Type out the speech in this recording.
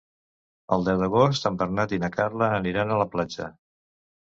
El deu d'agost en Bernat i na Carla aniran a la platja.